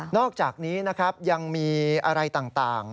อกจากนี้นะครับยังมีอะไรต่าง